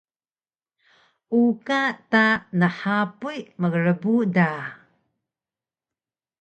Uqa ta nhapuy mgrbu da!